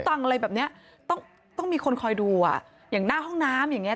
ตรงไกลแบบนี้เต้ามีคนคอยดูอ่ะอย่างหน้าห้องน้ำอย่างนี้